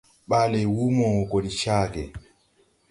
Ɓaale Wúmo gɔ de caage.